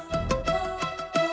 nih aku tidur